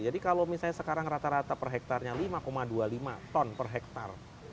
jadi kalau misalnya sekarang rata rata per hektarnya lima dua puluh lima ton per hektar